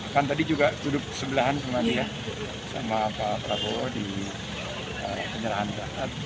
kan tadi juga duduk sebelahan sama dia sama pak prabowo di penyerahan saat